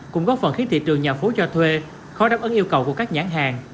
cũng góp phần khiến thị trường nhà phố cho thuê khó đáp ứng yêu cầu của các nhãn hàng